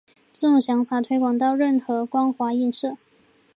这种想法推广到任何光滑映射。